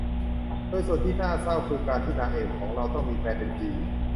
โดยส่วนที่น่าเศร้าคือการที่นางเอกของเราต้องมีแฟนเป็นผี